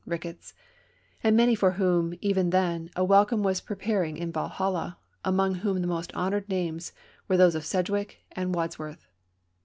Ricketts ; and many for whom, even then, a wel come was preparing in Valhalla, among whom the most honored names were those of Sedgwick and Wadsworth.